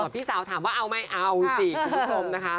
พี่สาวถามว่าเอาไหมเอาสิคุณผู้ชมนะคะ